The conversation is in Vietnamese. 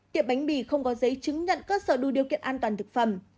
tiệm bánh bỉ không có giấy chứng nhận cơ sở đu điều kiện an toàn thực phẩm